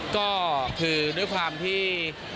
ก็คือด้วยความที่